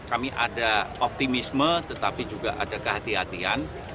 kami ada optimisme tetapi juga ada kehatian